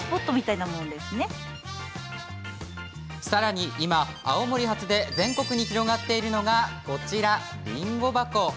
さらに今、青森発で全国に広がっているのがこちら、りんご箱。